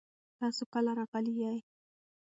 تاسو کله راغلي یئ؟